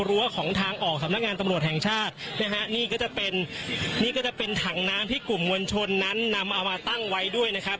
ของทางออกสำนักงานตำรวจแห่งชาตินะฮะนี่ก็จะเป็นนี่ก็จะเป็นถังน้ำที่กลุ่มมวลชนนั้นนำเอามาตั้งไว้ด้วยนะครับ